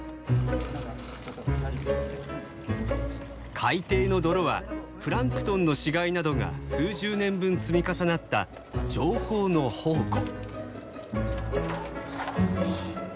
海底の泥はプランクトンの死骸などが数十年分積み重なった情報の宝庫。